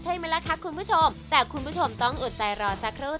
ใช่ไหมล่ะค่ะคุณผู้ชมแต่คุณผู้ชมต้องอดใจรอสักครู่